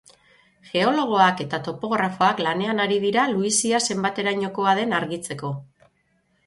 Geologoak eta topografoak lanean ari dira luizia zenbaterainokoa den argitzeko.